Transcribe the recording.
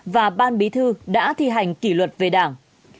và ban bí thư đã thi hành kỷ luật về đảng